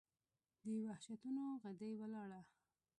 د وحشتونو ، غدۍ وَلاړه